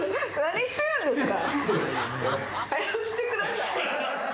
何してるんですか？